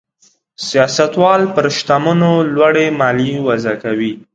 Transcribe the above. سیاستوال پر شتمنو لوړې مالیې وضع کوي.